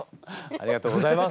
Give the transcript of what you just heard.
ありがとうございます。